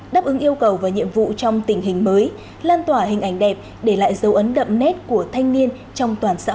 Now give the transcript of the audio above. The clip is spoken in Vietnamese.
đáp ứng yêu cầu và nhiệm vụ trong tình hình mới lan tỏa hình ảnh đẹp để lại dấu ấn đậm nét của thanh niên trong toàn xã hội